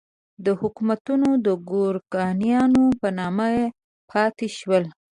دا حکومتونه د ګورکانیانو په نامه پاتې شول.